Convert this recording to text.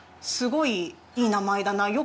すごいいい名前だな